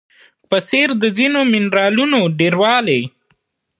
په څېر د ځینو منرالونو ډیروالی